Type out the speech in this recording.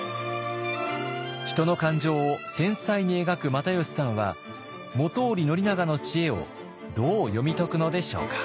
人の感情を繊細に描く又吉さんは本居宣長の知恵をどう読み解くのでしょうか？